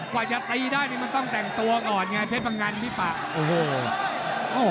กว่าจะตีได้นี่มันต้องแต่งตัวก่อนไงเพชรพังงันพี่ปะโอ้โห